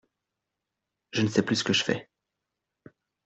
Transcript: Je ne sais plus ce que je fais !